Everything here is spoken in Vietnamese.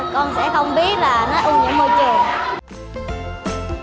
con sẽ không biết là nó ô nhiễm môi trường